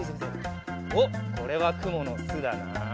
おっこれはくものすだな。